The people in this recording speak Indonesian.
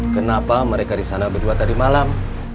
kenapa mereka disana berdua tadi malam